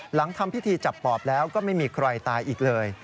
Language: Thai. หลังทำพิธีจับปอบแล้วก็ไม่มีใครตายอีกเลย